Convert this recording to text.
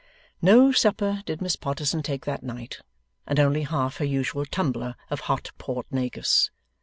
No supper did Miss Potterson take that night, and only half her usual tumbler of hot Port Negus.